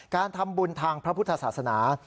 การทำบุญทางพระพุทธศาสนา